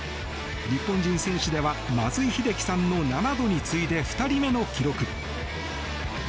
日本人選手では松井秀喜さんの７度に次いで２人目の記録。